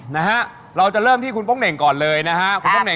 นะฮะเราจะเริ่มที่คุณโป๊งเหน่งก่อนเลยนะฮะคุณโป๊